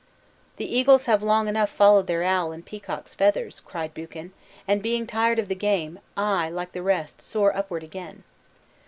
"The eagles have long enough followed their owl in peacock's feathers," cried Buchan; "and being tired of the game, I, like the rest, soar upward again!"